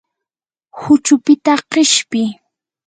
huchupita qishpi.